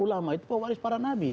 ulama itu pewaris para nabi